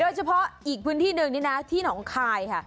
เฉพาะอีกพื้นที่หนึ่งนี่นะที่หนองคายค่ะ